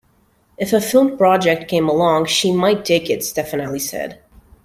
If a film project came along, she might take it, Stefanelli said.